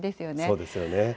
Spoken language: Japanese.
そうですよね。